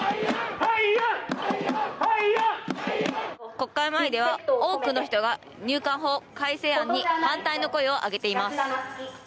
国会前では多くの人が入管法改正案に反対の声を上げています。